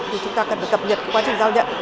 thì chúng ta cần phải cập nhật cái quá trình giao nhận